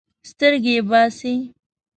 سترګې یې باسي.